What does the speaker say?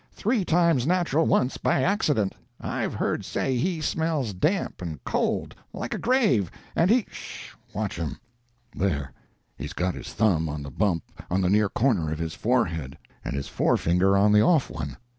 Three times natural, once by accident. I've heard say he smells damp and cold, like a grave. And he " "'Sh! Watch him! There he's got his thumb on the bump on the near corner of his forehead, and his forefinger on the off one.